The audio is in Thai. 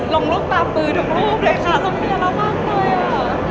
ลงรูปตามปืนถึงรูปเลยคะซัพครีมร้าวมากเลยอะ